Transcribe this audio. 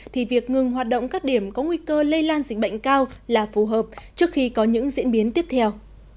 thì việc ngừng hoạt động các điểm có nguy cơ lây lan dịch bệnh cao là phù hợp trước khi có những diễn biến tiếp theo